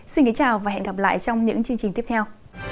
xin kính chào và hẹn gặp lại trong những chương trình tiếp theo